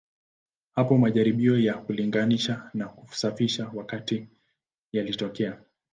Hapo majaribio ya kulinganisha na kusafisha wakati yalitokea.